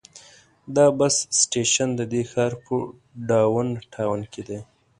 دا بس سټیشن د دې ښار په ډاون ټاون کې دی.